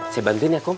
saya bantuin ya kum